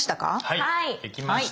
はいできました。